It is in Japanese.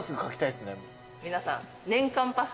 皆さん。